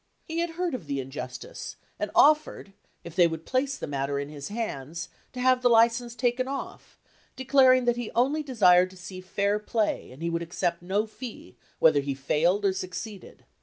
He had heard of the injustice and offered, if they would place the matter in his hands, to have the li cense taken off, declaring he only desired to see fair play, and he would accept no fee, whether he failed or succeeded.